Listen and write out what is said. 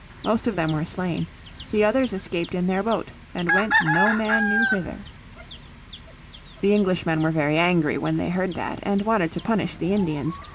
Most of them were slain; the others escaped in their boat and went no man knew whither. The Englishmen were very angry when they heard that, and wanted to punish the Indians.